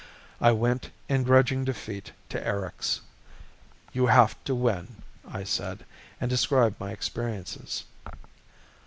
I went, in grudging defeat, to Erics. "You have to win," I said and described my experiences.